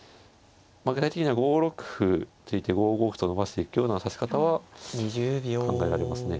具体的には５六歩突いて５五歩と伸ばしていくような指し方は考えられますね。